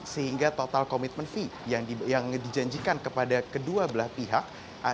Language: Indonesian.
sehingga total komitmen fee yang dijanjikan kepada kedua belah pihak